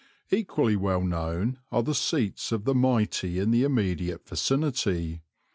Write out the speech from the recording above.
Equally well known are the seats of the mighty in the immediate vicinity.